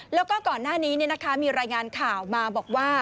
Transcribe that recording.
แล้วก็ก่อนหน้านี้มีรายงานข่าวมาบอกว่า